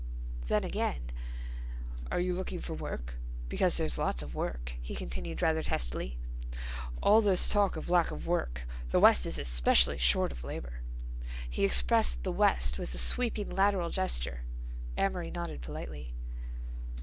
Then again: "Are you looking for work? Because there's lots of work," he continued rather testily. "All this talk of lack of work. The West is especially short of labor." He expressed the West with a sweeping, lateral gesture. Amory nodded politely.